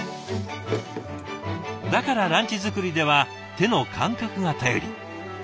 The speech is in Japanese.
だからランチ作りでは手の感覚が頼り。